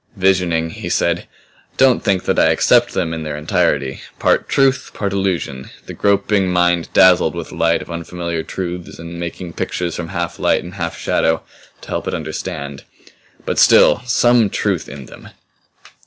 "Visioning!" he said. "Don't think that I accept them in their entirety. Part truth, part illusion the groping mind dazzled with light of unfamiliar truths and making pictures from half light and half shadow to help it understand. "But still SOME truth in them.